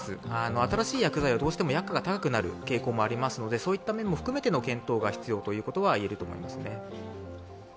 新しい薬剤はどうしても薬価が高くなる面がありますのでそういった面も含めての検討が必要だといえますね。